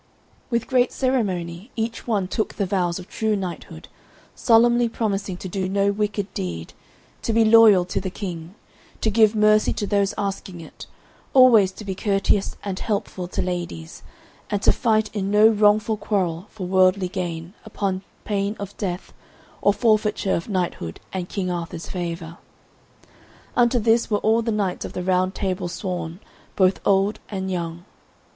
With great ceremony each one took the vows of true knighthood, solemnly promising to do no wicked deed, to be loyal to the King, to give mercy to those asking it, always to be courteous and helpful to ladies, and to fight in no wrongful quarrel for wordly gain, upon pain of death or forfeiture of knighthood and King Arthur's favour. Unto this were all the knights of the Round Table sworn, both old and young.